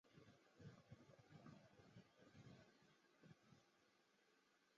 当时的德川幕府本身也派遣许多忍者进行查探消息的工作。